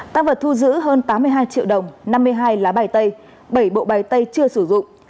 tăng vật thu giữ hơn tám mươi hai triệu đồng năm mươi hai lá bài tay bảy bộ bài tay chưa sử dụng